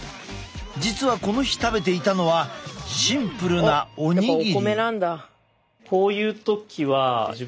実はこの日食べていたのはシンプルなお握り。